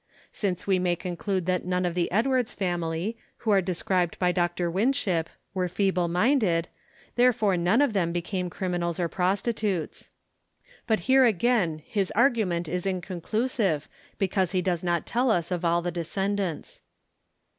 Since we may conclude that none of the Edwards family, who are described by Dr. Winship, were feeble minded, therefore none of them became criminals or prostitutes. But here again his argument is inconclusive because he does not tell us of all the descendants.